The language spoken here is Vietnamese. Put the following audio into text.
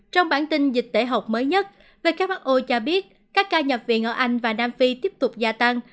trong bản tin dịch tễ học mới nhất who cho biết các ca nhập viện ở anh và nam phi tiếp tục gia tăng